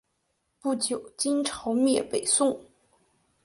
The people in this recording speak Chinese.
不久金朝灭北宋。